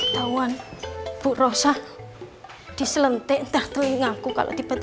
tahun bu rossa diselentik tertulis